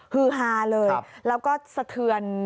ฮือฮาเลยแล้วก็สะเทือน